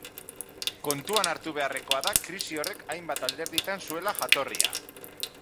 Kontuan hartu beharrekoa da krisi horrek hainbat alderditan zuela jatorria.